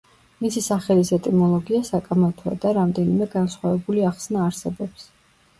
მისი სახელის ეტიმოლოგია საკამათოა და რამდენიმე განსხვავებული ახსნა არსებობს.